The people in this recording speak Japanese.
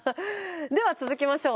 では続けましょう。